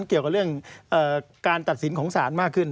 เกี่ยวกับเรื่องการตัดสินของศาลมากขึ้น